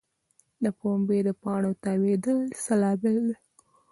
د پنبې د پاڼو تاویدل څه لامل لري؟